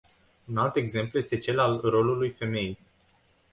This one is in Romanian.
Un alt exemplu este cel al rolului femeii.